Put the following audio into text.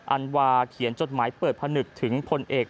อันวาเขียนจดหมายเปิดผนึกถึงพลเอก